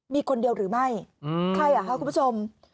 มีคนเดียวหรือไม่ใครอ่ะคะคุณผู้ชม